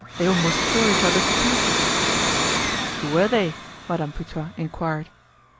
They almost tore each other to pieces." "Who were they?" Madame Putois inquired.